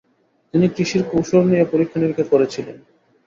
তিনি কৃষির কৌশল নিয়ে পরীক্ষা-নিরীক্ষা করেছিলেন।